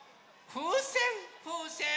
ふうせんふうせん。